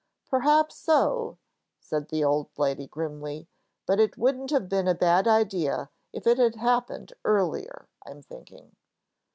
"Perhaps so," said the old lady, grimly. "But it wouldn't have been a bad idea if it had happened earlier, I'm thinking."